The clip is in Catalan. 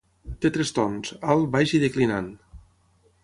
Té tres tons: alt, baix i declinant.